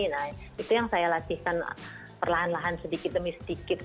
nah itu yang saya latihkan perlahan lahan sedikit demi sedikit